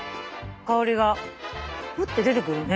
香りがフッて出てくるね。